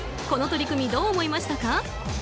この取り組みどう思いましたか。